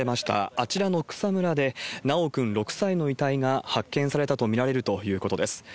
あちらの草むらで、修くん６歳の遺体が発見されたと見られるということです。